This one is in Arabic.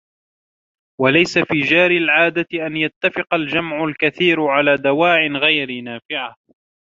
وَلَيْسَ فِي جَارِي الْعَادَةِ أَنْ يَتَّفِقَ الْجَمْعُ الْكَثِيرُ عَلَى دَوَاعٍ غَيْرِ نَافِعَةٍ